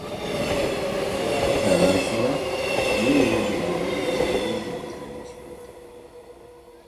Ellenfele Junior világbajnokságon bronzérmes volt.